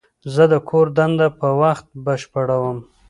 زه د کور دنده په وخت بشپړوم.